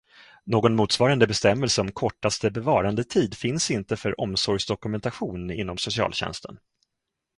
Någon motsvarande bestämmelse om kortaste bevarandetid finns inte för omsorgsdokumentation inom socialtjänsten.